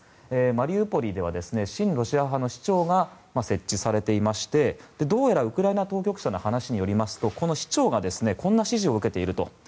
マリウポリでは親ロシア派の市長が設置されていましてどうやらウクライナ当局者の話によりますとこの市長がこんな指示を受けていると。